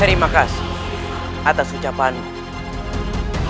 terima kasih atas ucapanmu